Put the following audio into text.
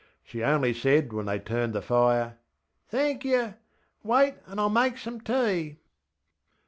She only said when theyŌĆÖd turned the fire: ŌĆśThenk yer! Wait anŌĆÖ IŌĆÖll make some tea.